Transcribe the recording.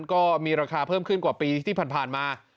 ก็มีราคาเพิ่มขึ้นกว่าปีที่ผ่านมา